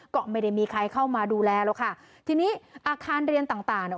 ก็ไม่ได้มีใครเข้ามาดูแลหรอกค่ะทีนี้อาคารเรียนต่างต่างเนี่ย